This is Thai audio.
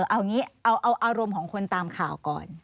เอาอารมณ์ของคนตามข่าวก่อน